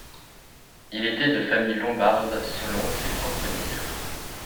Il était de famille lombarde selon ses propres dires.